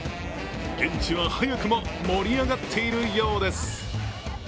現地は早くも盛り上がっているようです。